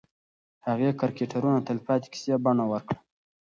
هغې کرکټرونه د تلپاتې کیسې بڼه ورکړه.